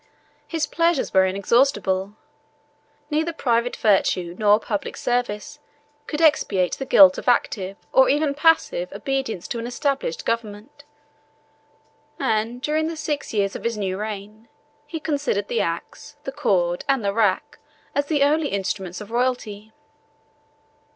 His pleasures were inexhaustible: neither private virtue nor public service could expiate the guilt of active, or even passive, obedience to an established government; and, during the six years of his new reign, he considered the axe, the cord, and the rack, as the only instruments of royalty.